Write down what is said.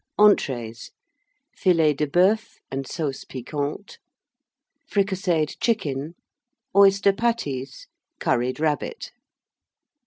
ENTREES. Filet de Boeuf and Sauce Piquante. Fricasseed Chicken. Oyster Patties. Curried Rabbit.